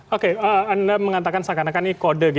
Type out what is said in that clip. oke anda mengatakan seakan akan ini kode